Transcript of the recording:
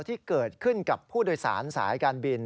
ที่เกิดขึ้นกับผู้โดยสารสายการบิน